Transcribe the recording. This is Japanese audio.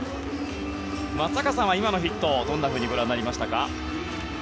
松坂さんは今のヒットどのようにご覧になりましたか。